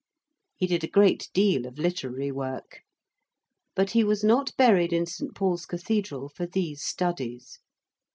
He did a great deal of literary work. But he was not buried in St. Paul's Cathedral for these studies.